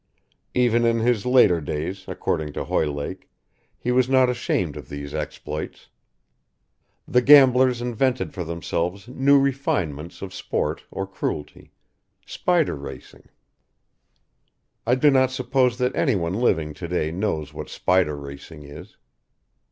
Even in his later days according to Hoylake, he was not ashamed of these exploits. The gamblers invented for themselves new refinements of sport or cruelty. Spider racing. I do not suppose that anyone living to day knows what spider racing is.